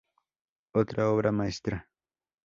Otra obra maestra".